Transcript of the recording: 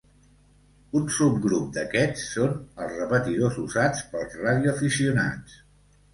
Un subgrup d'aquests són els repetidors usats pels radioaficionats.